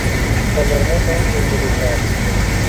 پالرمو ته هم یو ځلي ولاړ شه.